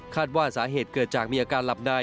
ว่าสาเหตุเกิดจากมีอาการหลับใน